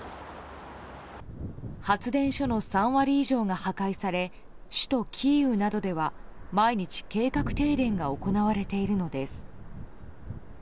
発電所の３割以上が破壊され首都キーウなどでは毎日、計画停電が行われているのです。